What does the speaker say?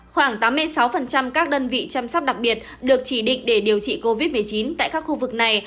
khoảng tám mươi sáu các đơn vị chăm sóc đặc biệt được chỉ định để điều trị covid một mươi chín tại các khu vực này